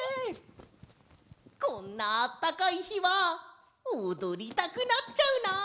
こんなあったかいひはおどりたくなっちゃうな！